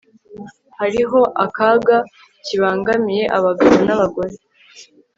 Hariho akaga kibangamiye abagabo nabagore